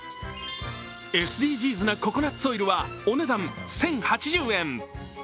ＳＤＧｓなココナッツオイルはお値段１０８０円。